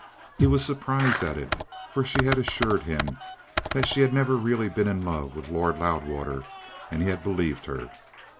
He was surprised at it, for she had assured him that she had never been really in love with Lord Loudwater, and he had believed her.